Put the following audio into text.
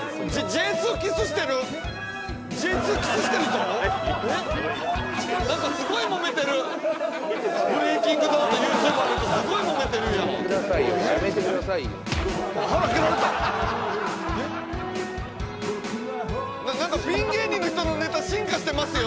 Ｊ２キスしてるぞえっ何かすごいモメてるブレイキングダウンとＹｏｕＴｕｂｅｒの人すごいモメてるやんやめてくださいよやめてくださいよ腹蹴られたえっ何かピン芸人の人のネタ進化してますよ